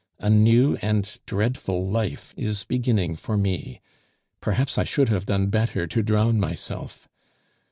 A new and dreadful life is beginning for me. Perhaps I should have done better to drown myself.